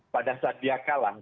pada saat dia kalah